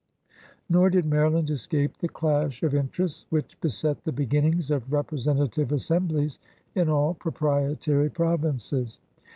Nor did Maryland escape the clash of interests which beset the b^innings of representative assem blies in all proprietary provinces.